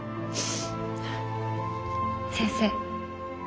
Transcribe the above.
先生